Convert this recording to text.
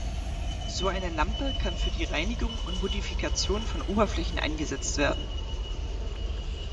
So eine Lampe kann für die Reinigung und Modifikation von Oberflächen eingesetzt werden.